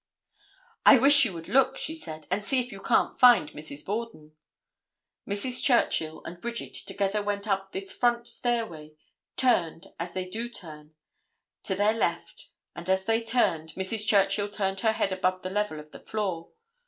"I wish you would look," she said, "and see if you can't find Mrs. Borden." Mrs. Churchill and Bridget together went up this front stairway, turned, as they do turn, to their left, and as they turned Mrs. Churchill turned her head above the level of the floor.